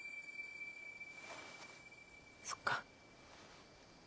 そっか。